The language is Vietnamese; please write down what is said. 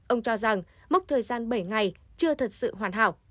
ông cho rằng mốc thời gian bảy ngày chưa thật sự hoàn hảo